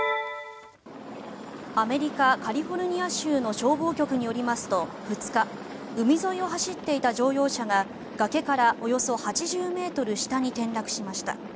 アメリカ・カリフォルニア州の消防局によりますと２日海沿いを走っていた乗用車が崖からおよそ８０ｍ下に転落しました。